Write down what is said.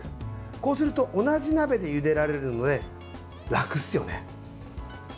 こうすると同じ鍋でゆでられるので楽っすよね。